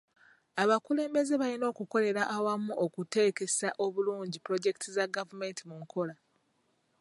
Abakulembeze balina okukolera awamu okuteekesa obulungi pulojekiti za gavumenti mu nkola.